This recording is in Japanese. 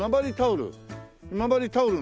今治タオル。